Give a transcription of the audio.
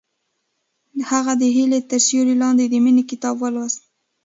هغې د هیلې تر سیوري لاندې د مینې کتاب ولوست.